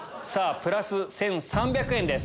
プラス１３００円です。